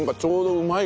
うまい。